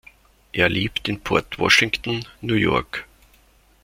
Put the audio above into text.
Er lebt in Port Washington, New York.